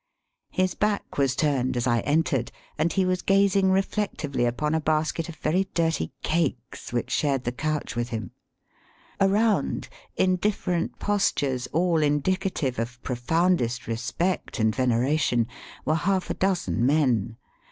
His back was turned as I entered, and he wa& gazing reflectively upon a basket of very dirty cakes which shared the couch with him. Around, in different postures all indicative of profoundest respect and veneration, were half a dozen men.